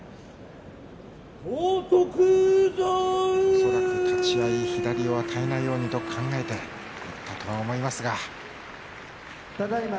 恐らく立ち合い左を与えないようにと考えていたと思いますが。